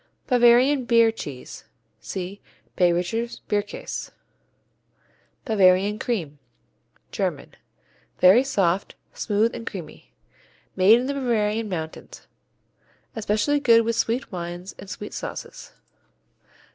Bavarian Beer cheese see Bayrischer Bierkäse. Bavarian Cream German Very soft; smooth and creamy. Made in the Bavarian mountains. Especially good with sweet wines and sweet sauces.